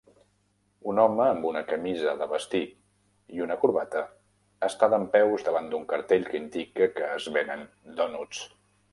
Un home amb una camisa de vestir i una corbata està dempeus davant d'un cartell que indica que es venen dònuts.